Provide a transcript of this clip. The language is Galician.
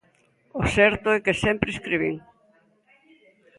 O certo é que sempre escribín.